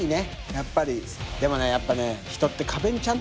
やっぱりでもやっぱね。